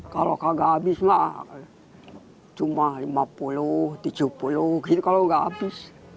kalau nggak habis mah cuma rp lima puluh rp tujuh puluh gitu kalau nggak habis